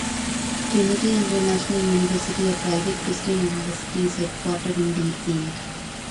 Trinity International University, a private Christian university, is headquartered in Deerfield.